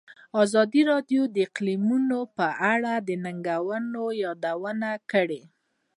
ازادي راډیو د اقلیتونه په اړه د ننګونو یادونه کړې.